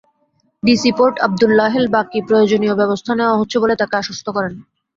DC port Abdullah Hel Baki প্রয়োজনীয় ব্যবস্থা নেওয়া হচ্ছে বলে তাঁকে আশ্বস্ত করেন।